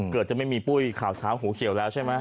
จะไม่มีปุ้ยข่าวเช้าหูเขียวแล้วใช่ไหม